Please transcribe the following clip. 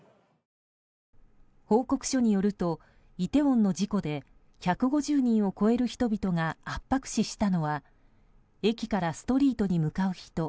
報告書によるとイテウォンの事故で１５０人を超える人々が圧迫死したのは駅からストリートに向かう人